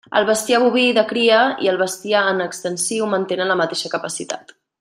El bestiar boví de cria i el bestiar en extensiu mantenen la mateixa capacitat.